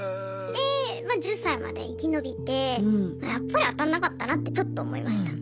でまあ１０歳まで生き延びてやっぱり当たんなかったなってちょっと思いました。